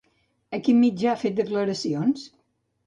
A quin mitjà ha fet declaracions?